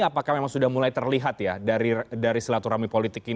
apakah memang sudah mulai terlihat ya dari silaturahmi politik ini